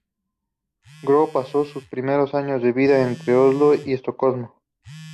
Gro pasó sus primeros años de vida entre Oslo y Estocolmo.